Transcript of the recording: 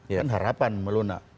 kan harapan melunak